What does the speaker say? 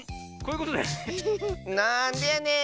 なんでやねん！